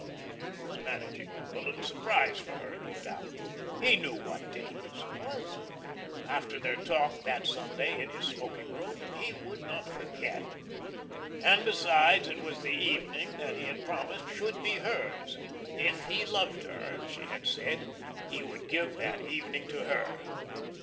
He was managing a little surprise for her, no doubt. He knew what day this was. After their talk that Sunday in his smoking room he would not forget. And, besides, it was the evening that he had promised should be hers. "If he loved her," she had said, he would give that evening to her.